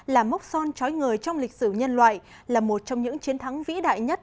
là mốc son trói ngời trong lịch sử nhân loại là một trong những chiến thắng vĩ đại nhất